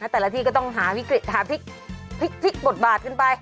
แต่ละที่ก็ต้องหาวิกฤตหาพลิกบทบาทขึ้นไป